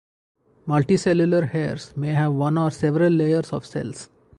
Multicellular hairs may have one or several layers of cells.